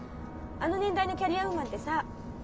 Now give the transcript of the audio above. あの年代のキャリアウーマンってさあ